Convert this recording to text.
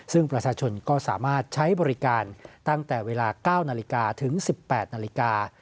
ซึ่งประชาชนก็สามารถใช้บริการตั้งแต่เวลา๙นาฬิกาถึง๑๘นาฬิกา